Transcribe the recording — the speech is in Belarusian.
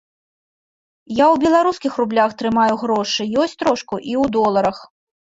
Я ў беларускіх рублях трымаю грошы, ёсць трошку і ў доларах.